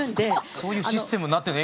そういうシステムになってんの？